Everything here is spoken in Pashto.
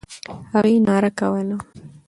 هغې ناره کوله.